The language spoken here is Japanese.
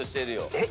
えっ